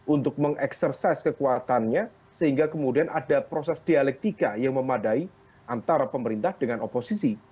untuk mengeksersas kekuatannya sehingga kemudian ada proses dialektika yang memadai antara pemerintah dengan oposisi